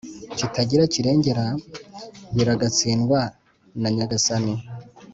kitagira kirengera biragatsindwa nanyagasani